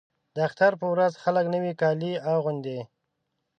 د اختر په ورځ خلک نوي کالي اغوندي.